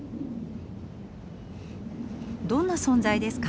どんな存在ですか？